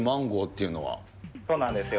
そうなんですよ。